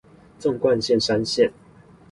縱貫線山線